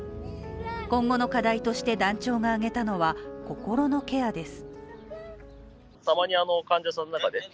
今後の課題として団長が挙げたのが心のケアです。